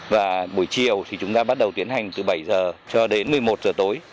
và buổi chiều thì chúng ta bắt đầu tiến hành từ bảy giờ cho đến một mươi một giờ tối